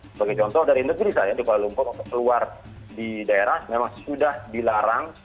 sebagai contoh dari negeri saya di kuala lumpur untuk keluar di daerah memang sudah dilarang